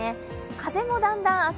風もだんだん明日